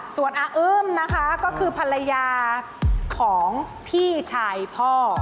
ส่วนอาอื้มนะคะก็คือภรรยาของพี่ชายพ่อ